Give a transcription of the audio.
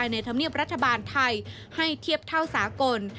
ธรรมเนียบรัฐบาลไทยให้เทียบเท่าสากล